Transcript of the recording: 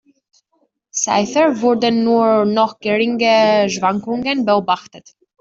Seither wurden nur noch geringe Schwankungen beobachtet.